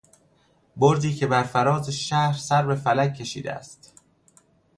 برجی که برفراز شهر سر به فلک کشیده است